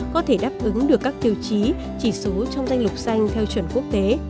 có thể đáp ứng được các tiêu chí chỉ số trong danh lục xanh theo chuẩn quốc tế